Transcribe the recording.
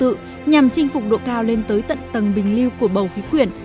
điều tương tự nhằm chinh phục độ cao lên tới tận tầng bình lưu của bầu khí khuyển